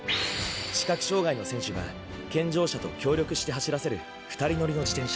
視覚障がいの選手が健常者と協力して走らせる二人乗りの自転車。